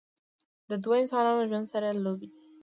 د دوه انسانانو ژوند سره لوبې دي